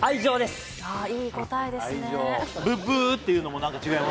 ああいい答えですね・